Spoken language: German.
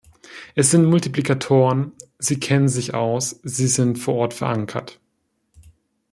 Es sind Multiplikatoren, sie kennen sich aus, sie sind vor Ort verankert.